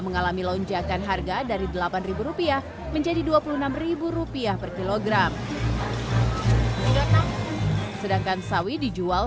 mengalami lonjakan harga dari delapan rupiah menjadi dua puluh enam rupiah per kilogram sedangkan sawi dijual